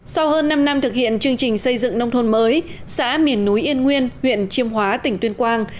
sau hơn năm năm thực hiện chương trình xây dựng nông thôn mới xã miền núi yên nguyên huyện chiêm hóa tỉnh tuyên quang